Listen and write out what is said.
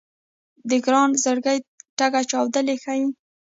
د ګران زړګيه ټک چاودلی ښه يې